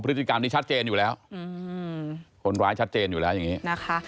พฤติกรรมนี้ชัดเจนอยู่แล้วคนร้ายชัดเจนอยู่แล้วอย่างนี้นะคะ